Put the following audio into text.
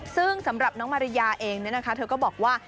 ซึ่งสำหรับน้องมาริยาเองเธอก็บอกว่า